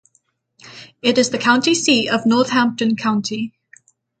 It is the county seat of Northampton County.